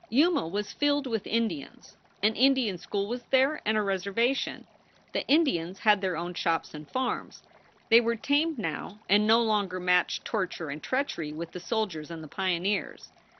Yuma was filled with Indians. An Indian school was there, and a reservation. The Indians had their own shops and farms. They were tamed now and no longer matched torture and treachery with the soldiers and the pioneers.